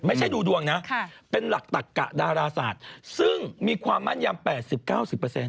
ไม่ใช่ดูดวงนะเป็นหลักตักกะดาราศาสตร์ซึ่งมีความมั่นยำ๘๐๙๐